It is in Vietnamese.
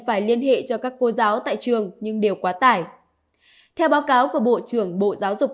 phải liên hệ cho các cô giáo tại trường nhưng đều quá tải theo báo cáo của bộ trưởng bộ giáo dục